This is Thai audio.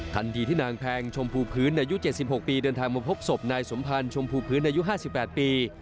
ทันทีที่นางแพงชมพูพื้นอายุ๗๖ปีเดินทางมาพบศพนายสมพันธ์ชมพูพื้นอายุ๕๘ปี